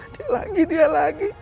dia lagi dia lagi